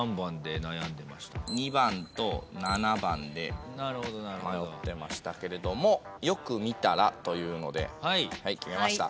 ２番と７番で迷ってましたけれどもよく見たらというので決めました。